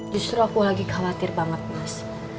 justru aku lagi khawatir banget mas